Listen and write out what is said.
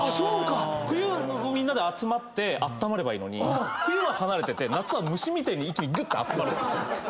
冬みんなで集まってあったまればいいのに冬は離れてて夏は虫みたいに一気にぐって集まるんですよ。